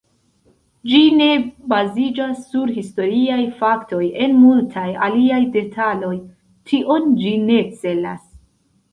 Ĝi ne baziĝas sur historiaj faktoj en multaj aliaj detaloj; tion ĝi ne celas.